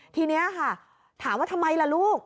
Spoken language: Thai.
ทีนี้ค่ะถามว่าทำไมล่ะลูก